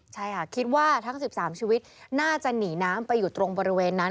ใช่ค่ะคิดว่าทั้ง๑๓ชีวิตน่าจะหนีน้ำไปอยู่ตรงบริเวณนั้น